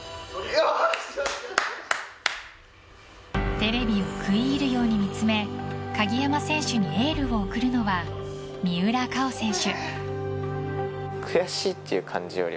テレビを食い入るように見つめ鍵山選手にエールを送るのは三浦佳生選手。